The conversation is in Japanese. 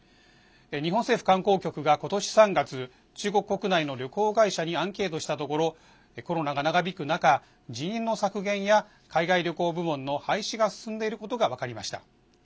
日本政府観光局が、ことし３月中国国内の旅行会社にアンケートしたところコロナが長引く中、人員の削減や海外旅行部門の廃止が進んでいることが分かりました。